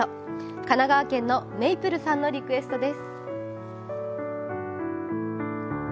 神奈川県のめいぷるさんのリクエストです。